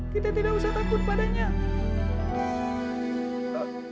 kita tidak usah takut padanya